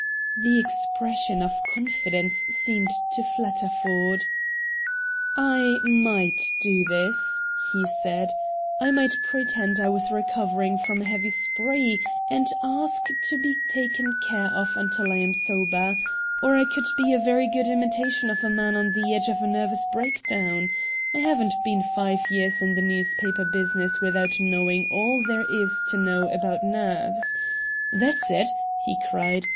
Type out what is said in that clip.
The expression of confidence seemed to flatter Ford. "I might do this," he said. "I might pretend I was recovering from a heavy spree, and ask to be taken care of until I am sober. Or I could be a very good imitation of a man on the edge of a nervous breakdown. I haven't been five years in the newspaper business without knowing all there is to know about nerves. That's it!" he cried.